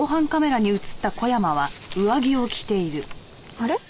あれ？